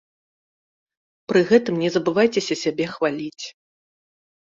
Пры гэтым не забывайцеся сябе хваліць.